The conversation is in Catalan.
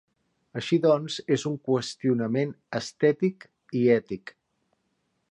Així doncs, és un qüestionament estètic i ètic.